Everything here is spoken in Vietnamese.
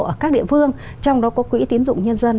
ở các địa phương trong đó có quỹ tiến dụng nhân dân